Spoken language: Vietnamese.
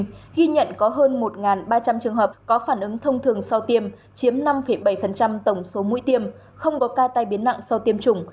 ghi nhận ghi nhận có hơn một ba trăm linh trường hợp có phản ứng thông thường sau tiêm chiếm năm bảy tổng số mũi tiêm không có ca tai biến nặng sau tiêm chủng